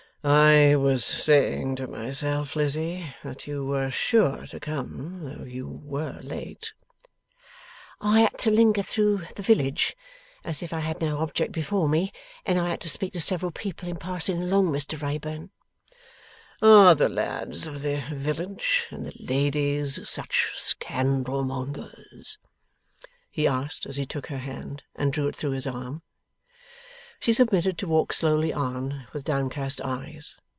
'I was saying to myself, Lizzie, that you were sure to come, though you were late.' 'I had to linger through the village as if I had no object before me, and I had to speak to several people in passing along, Mr Wrayburn.' 'Are the lads of the village and the ladies such scandal mongers?' he asked, as he took her hand and drew it through his arm. She submitted to walk slowly on, with downcast eyes.